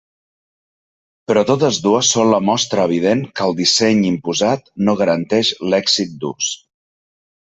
Però totes dues són la mostra evident que el disseny imposat no garanteix l'èxit d'ús.